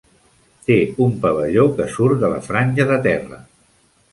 Té un pavelló que surt de la franja de terra.